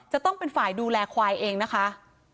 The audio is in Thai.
จะต้องเป็นฝ่ายดูแลควายเองนะคะ